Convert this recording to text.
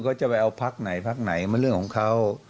เขาจะไปเอาพักไหนพักไหนมันเรื่องของเขา